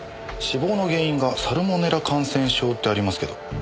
死亡の原因がサルモネラ感染症ってありますけど。